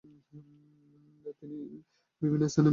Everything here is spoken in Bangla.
তিনি বিভিন্ন স্থানে জেলা ও দায়রা জজ ছিলেন।